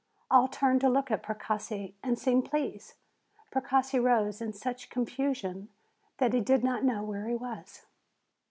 All turned to look at Precossi, and seemed pleased. Precossi rose in such confusion that he did not know where he was.